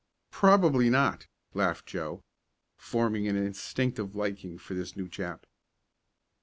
"Probably not," laughed Joe, forming an instinctive liking for this new chap.